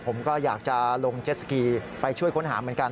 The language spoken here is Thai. ผมก็อยากจะลงเจ็ดสกีไปช่วยค้นหาเหมือนกัน